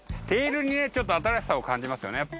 テールにねちょっと新しさを感じますよね。